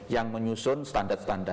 yang menyusun standar standar